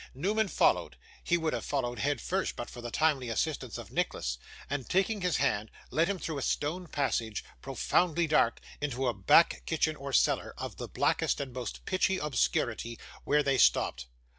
Newman followed he would have followed head first, but for the timely assistance of Nicholas and, taking his hand, led him through a stone passage, profoundly dark, into a back kitchen or cellar, of the blackest and most pitchy obscurity, where they stopped.